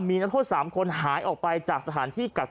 มีรับโทษ๓คนหาหายออกไปจากสถานที่กลับตัว